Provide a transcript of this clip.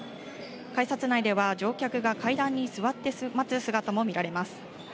改札内では乗客が階段に座って待つ姿も見られます。